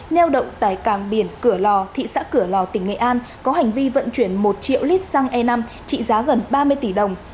neo đậu tại cảng biển cửa lò thị xã cửa lò tỉnh nghệ an có hành vi vận chuyển một triệu lít xăng e năm trị giá gần ba mươi tỷ đồng